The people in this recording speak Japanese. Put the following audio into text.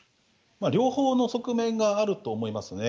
両方の側面があると思いますね。